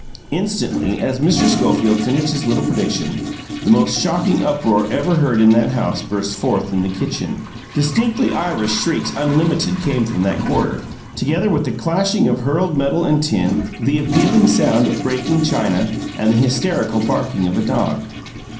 Instantly, as Mr. Schofield finished his little prediction, the most shocking uproar ever heard in that house burst forth in the kitchen. Distinctly Irish shrieks unlimited came from that quarter together with the clashing of hurled metal and tin, the appealing sound of breaking china, and the hysterical barking of a dog.